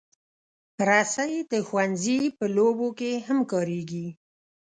رسۍ د ښوونځي په لوبو کې هم کارېږي.